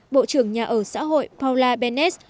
bộ trưởng nhà ở xã hội paula bennett